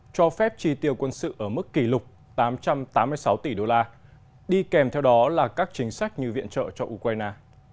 cho phép chi tiêu quân sự ở mức kỷ lục tám trăm tám mươi sáu tỷ đô la đi kèm theo đó là các chính sách như viện trợ cho ukraine